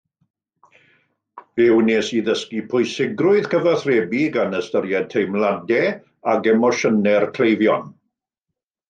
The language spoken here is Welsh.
Fe wnes i ddysgu pwysigrwydd cyfathrebu gan ystyried teimladau ac emosiynau'r cleifion